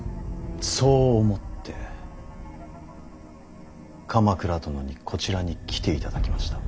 そう思って鎌倉殿にこちらに来ていただきました。